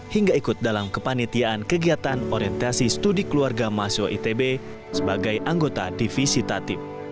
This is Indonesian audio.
hingga ikut dalam kepanitiaan kegiatan orientasi studi keluarga mahasiswa itb sebagai anggota divisi tatib